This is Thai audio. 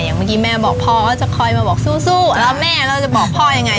เมื่อกี้แม่บอกพ่อว่าจะคอยมาบอกสู้แล้วแม่เราจะบอกพ่อยังไง